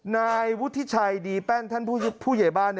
นายวุฒิชัยดีแป้นท่านผู้ใหญ่บ้าน